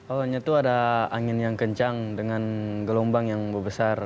awalnya itu ada angin yang kencang dengan gelombang yang besar